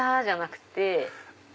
じゃなくて。